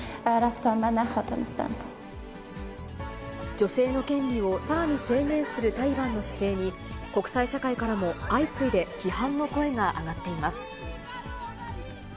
女性の権利をさらに制限するタリバンの姿勢に、国際社会からも相次いで批判の声が上がっています。